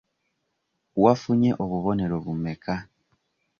Wafunye obubonero bumeka?